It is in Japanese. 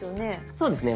そうですね。